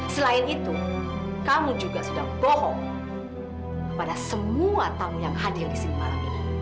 selain itu kamu juga sudah bohong kepada semua tamu yang hadir di sini malam ini